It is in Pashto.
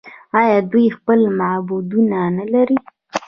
آیا دوی خپل معبدونه نلري؟